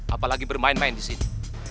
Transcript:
apalagi bermain main disini